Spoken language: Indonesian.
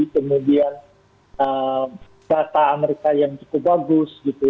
kemudian data amerika yang cukup bagus gitu